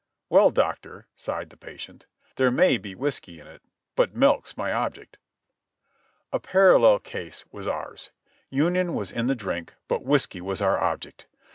"Well, Doctor," sighed the patient, "there may be whiskey in it, but milk's my object." A parallel case was ours — Union was in the drink, but whiskey was our object.